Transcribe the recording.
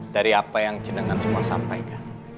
dari apa yang cenengan semua sampaikan